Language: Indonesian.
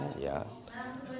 adalah hal yang harus diperhatikan